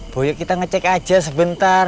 boyo kita ngecek aja sebentar